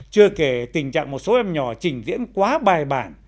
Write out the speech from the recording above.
chưa kể tình trạng một số em nhỏ trình diễn quá bài bản